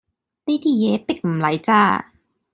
呢啲嘢迫唔嚟架